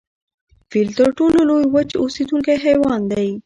فیل تر ټولو لوی وچ اوسیدونکی حیوان دی